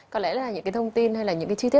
có lẽ là những cái thông tin hay là những cái truy tế